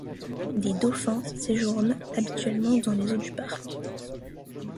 Des dauphins séjournent habituellement dans les eaux du parc.